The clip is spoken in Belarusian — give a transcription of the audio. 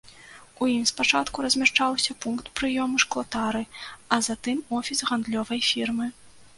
У ім спачатку размяшчаўся пункт прыёму шклатары, а затым офіс гандлёвай фірмы.